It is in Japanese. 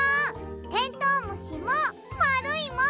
テントウムシもまるいもん！